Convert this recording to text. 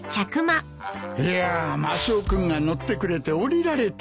いやマスオ君が乗ってくれて降りられた。